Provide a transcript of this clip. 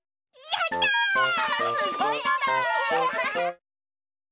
すごいのだ！